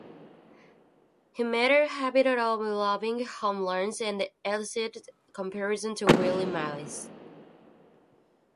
He made a habit of robbing home runs and elicited comparisons to Willie Mays.